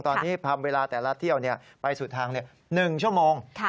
ตอนนี้ทำเวลาแต่ละเที่ยวไปสุดทาง๑ชั่วโมง